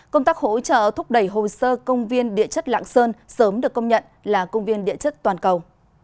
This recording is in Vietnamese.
công tác hỗ trợ thúc đẩy hồ sơ công viên địa chất lạng sơn sớm được công nhận là công viên địa chất toàn cầu